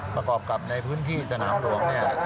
ประกอบกับในพื้นที่สนามหลวงเนี่ย